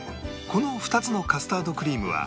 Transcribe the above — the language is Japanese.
この２つのカスタードクリームは